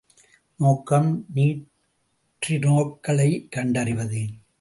நோக்கம் நியூட்ரினோக்களைக் கண்டறிவது.